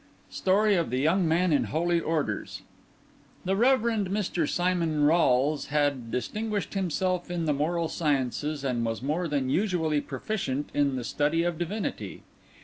STORY OF THE YOUNG MAN IN HOLY ORDERS The Reverend Mr. Simon Rolles had distinguished himself in the Moral Sciences, and was more than usually proficient in the study of Divinity.